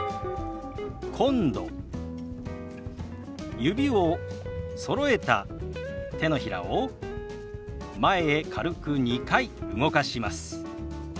指をそろえた手のひらを前へ軽く２回動かします。